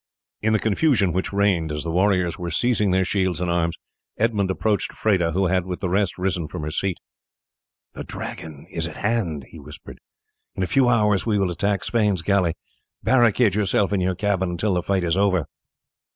In the confusion which reigned as the warriors were seizing their shields and arms, Edmund approached Freda, who had with the rest risen from her seat. "The Dragon is at hand," he whispered; "in a few hours we will attack Sweyn's galley; barricade yourself in your cabin until the fight is over."